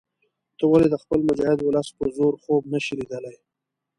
ته ولې د خپل مجاهد ولس په زور خوب نه شې لیدلای.